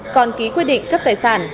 còn ký quyết định cấp tài sản